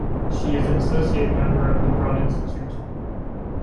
She is an associate member of the Broad Institute.